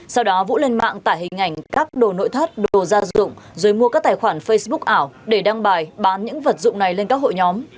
sau đó vũ lên mạng tải hình ảnh các đồ nội thất đồ gia dụng rồi mua các tài khoản facebook ảo để đăng bài bán những vật dụng này lên các hội nhóm